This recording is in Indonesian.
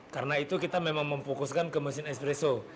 karena itu kita memang memfokuskan ke mesin espresso